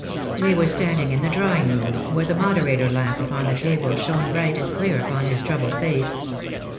They were standing in the drawing room, where the moderator lamp upon the table shone bright and clear upon his troubled face.